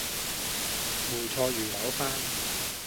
梅菜魚柳飯